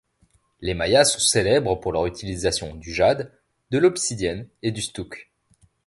Les Mayas sont célèbres pour leur utilisation du jade, de l'obsidienne et du stuc.